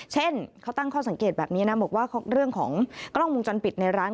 เช่นเขาตั้งข้อสังเกตแบบนี้นะบอกว่าเรื่องของกล้องวงจรปิดในร้าน